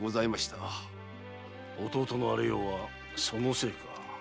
弟の荒れようはそのせいか。